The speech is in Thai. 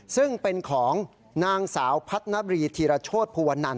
ซึ่งเป็นของนางสาวพัฒนบรีธีรโชธภูวนัน